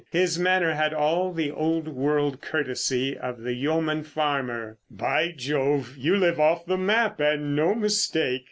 His manner had all the old world courtesy of the yeoman farmer. "By Jove, you live off the map, and no mistake!"